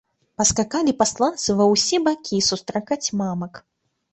Паскакалі пасланцы ўва ўсе бакі сустракаць мамак.